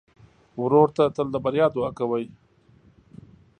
ورور ته تل د بریا دعا کوې.